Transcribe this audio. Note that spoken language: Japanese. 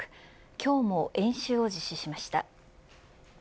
今日も演習を実施しました。